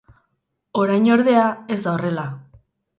Orain ordea, ez da horrela.